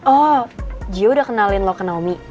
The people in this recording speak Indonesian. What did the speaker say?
oh dia udah kenalin lo ke naomi